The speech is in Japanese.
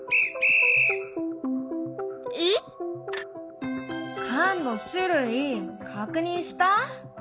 えっ？缶の種類確認した？